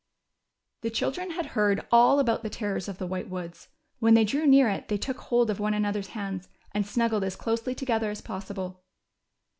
The children had heard all about the terrors of the White Woods. When they drew near it they took hold of one another's hands and snuggled as closely together as possible.